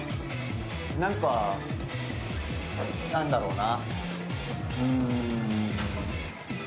何か、何だろうな。